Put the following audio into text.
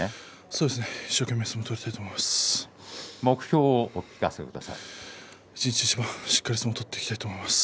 そうですね、一生懸命相撲を取りたいと思います。